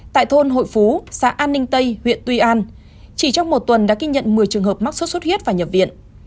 tại thôn hội phú xã an ninh tây huyện tuy an chỉ trong một tuần đã ghi nhận một mươi trường hợp mắc sốt xuất huyết và nhập viện